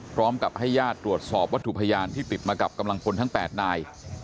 พร้อมกับให้ญาติตรวจสอบวัตถุพยานที่ติดมากับกำลังพลทั้ง๘นาย